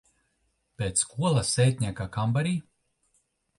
Pēc skolas sētnieka kambarī?